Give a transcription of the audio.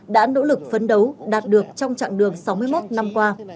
đã nỗ lực phấn đấu đạt được trong chặng đường sáu mươi một năm qua